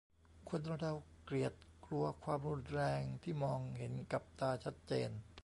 คนเราเกลียดกลัวความรุนแรงที่มองเห็นกับตาชัดเจน